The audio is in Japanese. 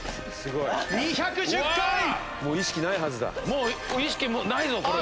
もう意識ないぞこれ。